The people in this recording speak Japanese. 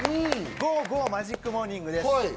ゴーゴーマジックモーニングです。